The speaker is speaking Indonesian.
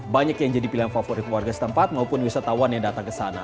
banyak yang jadi pilihan favorit warga setempat maupun wisatawan yang datang ke sana